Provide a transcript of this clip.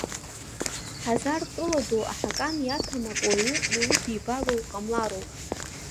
Ҳазартәыла ду аҳакан иаҭәам ак уаҩы иудибало уҟамлароуп.